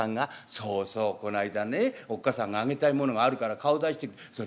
そうそうこないだねおっかさんが『あげたいものがあるから顔出してくれ』。